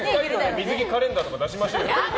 水着カレンダーとか出しましょうよ。